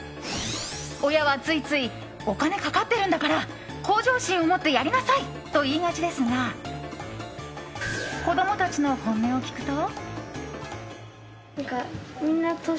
親は、ついついお金かかってるんだから向上心を持ってやりなさい！と言いがちですが子供たちの本音を聞くと。